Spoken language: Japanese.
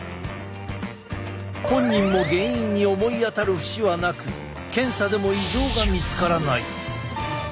本人も原因に思い当たる節はなく検査でも異常が見つからない。